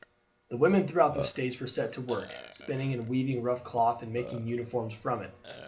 The women throughout the States were set to work, spinning and weaving rough cloth, and making uniforms from it.